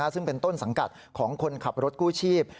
ซึ่งเป็นต้นสังกัดของคนขับรถกู้ชีพ